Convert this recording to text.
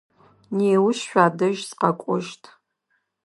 Неущ шъуадэжь сыкъэкӏощт.